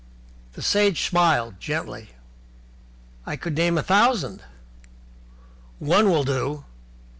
The Sage smiled gently. "I could name a thousand." "One will do."